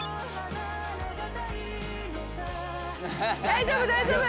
大丈夫大丈夫。